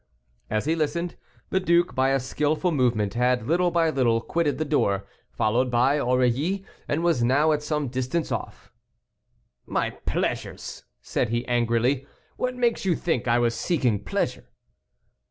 As he listened, the duke, by a skilful movement, had, little by little, quitted the door, followed by Aurilly, and was now at some distance off. "My pleasures!" said he, angrily; "what makes you think I was seeking pleasure?"